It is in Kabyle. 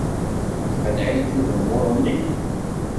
Iqenneε-ik ugmuḍ-nni?